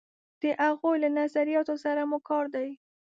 د هغوی له نظریاتو سره مو کار دی.